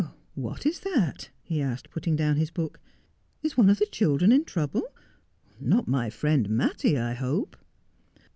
' What is that ?' he asked, putting down his book. ' Is one of the children in trouble ? Not my friend Mattie, I hope.'